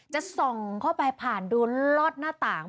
จะส่องเข้าไปผ่านดูลอดหน้าต่าง